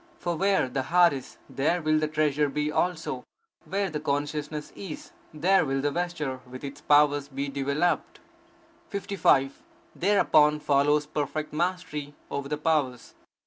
For where the heart is, there will the treasure be also; where the consciousness is, there will the vesture with its powers be developed. 55. Thereupon follows perfect mastery over the powers.